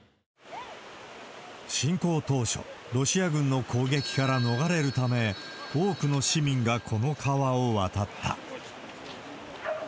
侵攻当初、ロシア軍の攻撃から逃れるため、多くの市民がこの川を渡った。